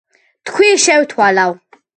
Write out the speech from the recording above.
თქვი, შავთვალავ,